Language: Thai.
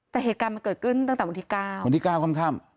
แต่เหตุการณ์มันเกิดขึ้นตั้งแต่วันที่เก้าวันที่เก้าข้าม